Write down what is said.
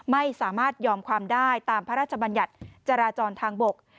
ไม่ยอมความได้ตามพระราชบัญญัติจราจรทางบก